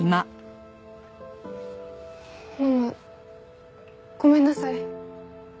ママごめんなさい。